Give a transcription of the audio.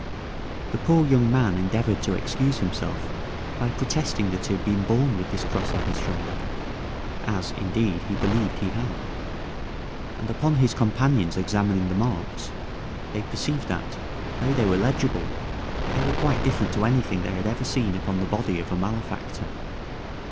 The poor young man endeavoured to excuse himself by protesting that he had been born with this cross on his shoulder, as, indeed, he believed he had; and upon his companions examining the marks, they perceived that, though they were legible, they were quite different to anything they had ever seen upon the body of a malefactor.